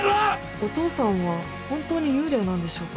お父さんは本当に幽霊なんでしょうか？